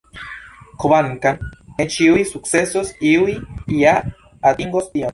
Kvankam ne ĉiuj sukcesos, iuj ja atingos tion.